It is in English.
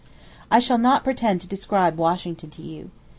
I shall not pretend to describe Washington to you.